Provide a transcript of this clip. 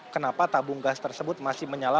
kenapa tabung gas tersebut masih menyala